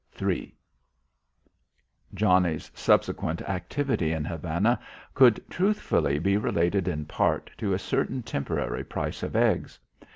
III Johnnie's subsequent activity in Havana could truthfully be related in part to a certain temporary price of eggs.